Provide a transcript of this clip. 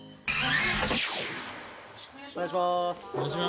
お願いします。